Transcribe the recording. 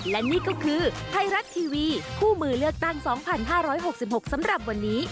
และนี่ก็คือไทยรัฐทีวีคู่มือเลือกตั้ง๒๕๖๖สำหรับวันนี้